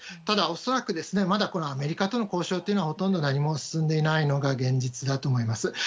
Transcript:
ただ、恐らくまだアメリカとの交渉はほとんど何も進んでいないのが現実だと思います。